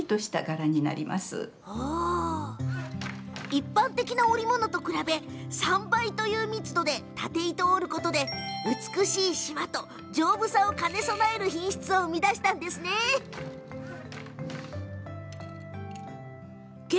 一般的な織物と比べ３倍という密度でたて糸を織ることで美しいしまと丈夫さを兼ね備える品質を生み出したということなんですね。